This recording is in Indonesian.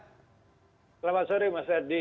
selamat sore mas herdi